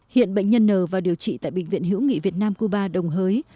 hiện bệnh nhân n vào điều trị tại bệnh viện hữu nghị việt nam cuba đồng hới